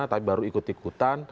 tapi baru ikut ikutan